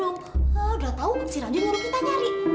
udah tau si ranjit ngomong kita nyari